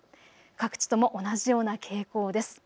各地とも同じような傾向です。